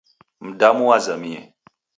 Mdamu wazamie